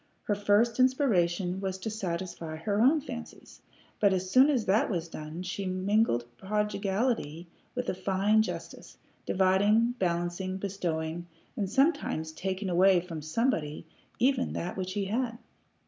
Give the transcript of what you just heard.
Her first inspiration was to satisfy her own fancies, but as soon as that was done she mingled prodigality with a fine justice, dividing, balancing, bestowing, and sometimes taking away from somebody even that which he had.